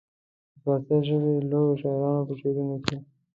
د فارسي ژبې لویو شاعرانو په شعرونو کې.